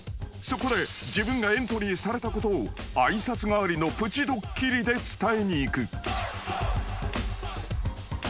［そこで自分がエントリーされたことを挨拶代わりのプチドッキリで伝えに行く］